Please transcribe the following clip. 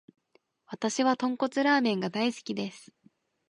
わたしは豚骨ラーメンが大好きです。